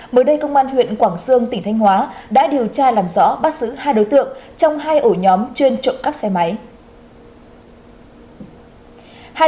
mới đây công an huyện quảng sương tỉnh thanh hóa đã điều tra làm rõ bắt giữ hai đối tượng trong hai ổ nhóm chuyên trộm cắp xe máy